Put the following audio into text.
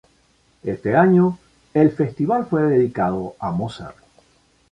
Este año, el festival fue dedicado a Mozart